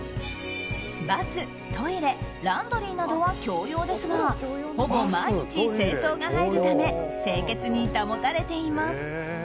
バス、トイレ、ランドリーなどは共用ですがほぼ毎日、清掃が入るため清潔に保たれています。